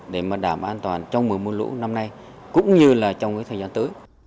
để đảm bảo an toàn trong mùa mưa lũ năm nay cũng như trong thời gian tới